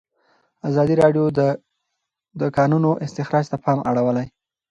ازادي راډیو د د کانونو استخراج ته پام اړولی.